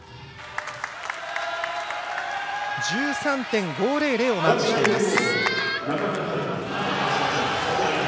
１３．５００をマークしています。